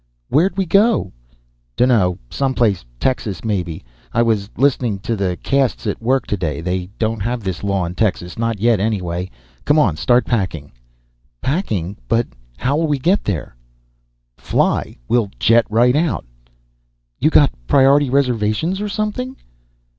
"Where'd we go?" "Dunno. Someplace. Texas, maybe. I was listening to the 'casts at work today. They don't have this law in Texas. Not yet, anyway. Come on, start packing." "Packing? But how'll we get there?" "Fly. We'll jet right out." "You got prior'ty reservations or something?"